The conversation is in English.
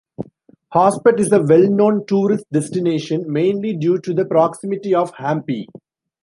Hospet is a well-known tourist destination, mainly due to the proximity of Hampi.